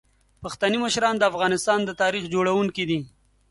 پښتني مشران د افغانستان د تاریخ جوړونکي دي.